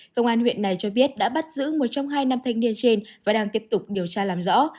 công an huyện này cho biết đã bắt giữ một trong hai năm thanh niên trên và đang tiếp tục điều tra làm rõ